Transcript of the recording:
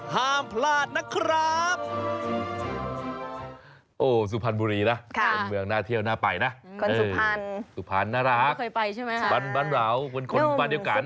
ห้ามพลาดนะครับ